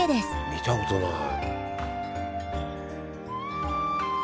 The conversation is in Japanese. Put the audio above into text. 見たことない。